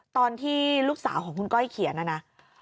ตอนที่ลูกสาวของคุณก้อยเขียนนะนะ